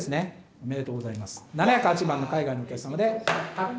おめでとうございます。